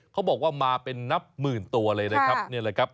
เขาบอกว่ามาเป็นนับหมื่นตัวเลยนะครับ